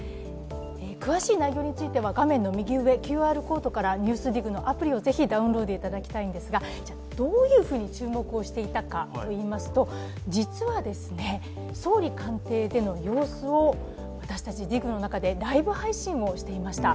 詳しい内容については画面の右上、ＱＲコードから「ＮＥＷＳＤＩＧ」のアプリをぜひダウンロードしていただきたいんですがどういうふうに注目していたかといいますと実は総理官邸での様子を私たち、「ＤＩＧ」の中でライブ配信をしていました。